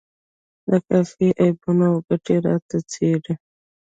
د قافیې عیبونه او ګټې راته څیړي.